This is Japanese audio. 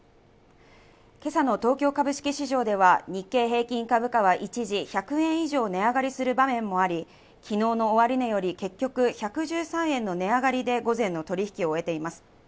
今朝の東京株式市場では日経平均株価は一時１００円以上値上がりする場面もあり、昨日の終値より結局１１３円の値上がりで午前の取引を終えています。